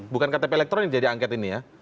bukan ktp elektronik jadi angket ini ya